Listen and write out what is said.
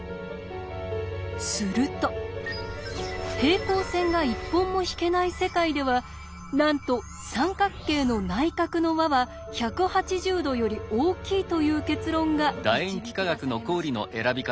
すると平行線が１本も引けない世界ではなんと三角形の内角の和は１８０°より大きいという結論が導き出されました。